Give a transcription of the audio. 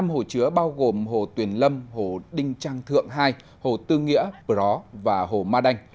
năm hồ chứa bao gồm hồ tuyền lâm hồ đinh trang thượng hai hồ tư nghĩa bró và hồ ma đanh